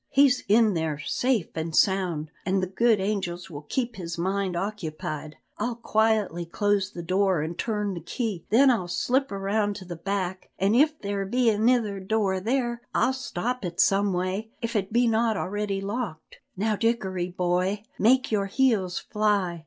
He's in there safe an' sound, an' the good angels will keep his mind occupied. I'll quietly close the door an' turn the key, then I'll slip around to the back, an' if there be anither door there, I'll stop it some way, if it be not already locked. Now, Dickory boy, make your heels fly!